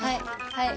はい。